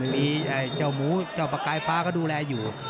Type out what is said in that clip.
มีเจ้าหมูเจ้าประกายฟ้าก็ดูแลอยู่